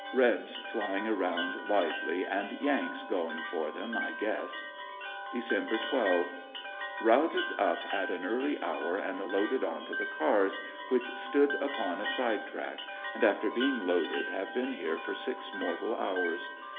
Rebs flying around lively, and Yanks going for them I guess, Dec. 12. — Routed up at an early hour and loaded on to the cars, which stood upon a side track, and after being loaded have been here for six mortal hours.